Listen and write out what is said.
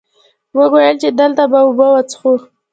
مونږ ويل چې دلته به اوبۀ وڅښو ـ